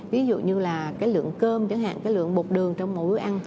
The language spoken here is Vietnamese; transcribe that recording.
ví dụ như là cái lượng cơm chẳng hạn cái lượng bột đường trong mỗi bữa ăn